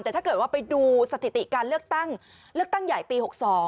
แต่ถ้าเกิดว่าไปดูสถิติการเลือกตั้งเลือกตั้งใหญ่ปี๖๒